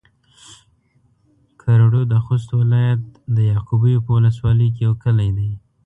کرړو د خوست ولايت د يعقوبيو په ولسوالۍ کې يو کلی دی